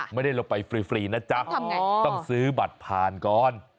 ไม่ได้ลงไปฟรีนะจ๊ะต้องซื้อบัตรผ่านก่อน